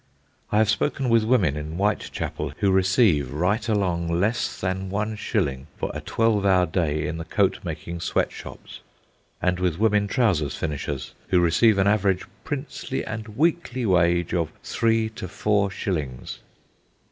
I have spoken with women in Whitechapel who receive right along less than one shilling for a twelve hour day in the coat making sweat shops; and with women trousers finishers who receive an average princely and weekly wage of three to four shillings.